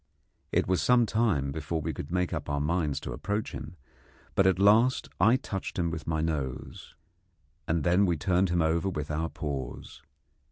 It was some time before we could make up our minds to approach him, but at last I touched him with my nose, and then we turned him over with our paws.